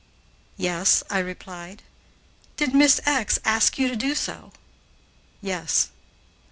"Yes," I replied. "Did Miss ask you to do so?" "Yes."